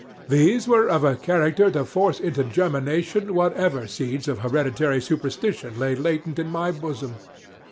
These were of a character to force into germination whatever seeds of hereditary superstition lay latent in my bosom.